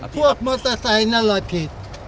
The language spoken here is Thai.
พวกมอเตอร์ไซค์นั้นเราผิด